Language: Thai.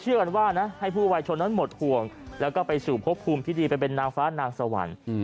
เชื่อกันว่านะให้พวกวัยชนนั้นหมดห่วงแล้วก็ไปสู่นังฟ้านางสวรรค์